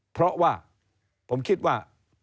เพราะว่าผมคิดว่า